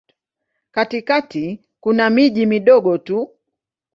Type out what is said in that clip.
Katikati kuna miji midogo tu.